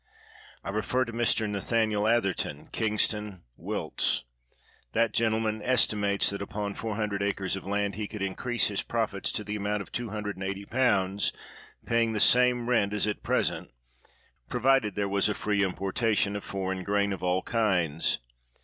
I refer to Mr. Nathan iel Atherton, Kingston, Wilts. That gentleman estimates that upon 400 acres of land he could increase his profits to the amount of 2801., pay ing the same rent as at present, provided there was a free importation of foreign grain of all kinds.